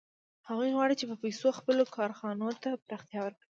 هغوی غواړي چې په پیسو خپلو کارخانو ته پراختیا ورکړي